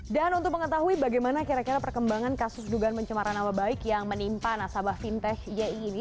dan untuk mengetahui bagaimana kira kira perkembangan kasus dugaan mencemaran awa baik yang menimpa nasabah fintech yi ini